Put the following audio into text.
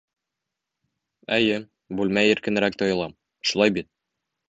Эйе, бүлмә иркенерәк тойола, шулай бит?